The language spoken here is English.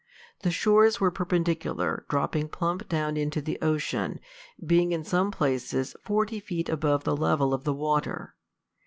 The shores were perpendicular, dropping plump down into the ocean, being in some places forty feet above the level of the water.